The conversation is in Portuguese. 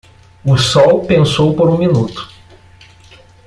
O sol pensou por um minuto.